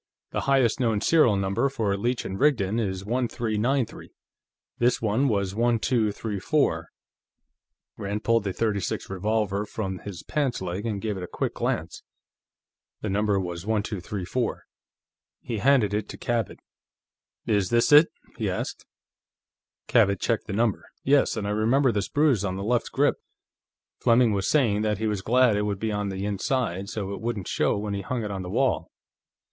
The highest known serial number for a Leech & Rigdon is 1393; this one was 1234." Rand pulled the .36 revolver from his pants leg and gave it a quick glance; the number was 1234. He handed it to Cabot. "Is this it?" he asked. Cabot checked the number. "Yes. And I remember this bruise on the left grip; Fleming was saying that he was glad it would be on the inside, so it wouldn't show when he hung it on the wall."